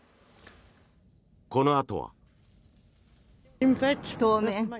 このあとは。